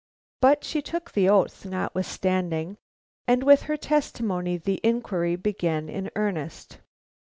But she took the oath notwithstanding, and with her testimony the inquiry began in earnest.